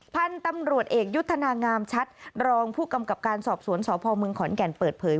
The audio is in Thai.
พันธุ์ตำรวจเอกยุทธนางามชัดรองผู้กำกับการสอบสวนสพเมืองขอนแก่นเปิดเผย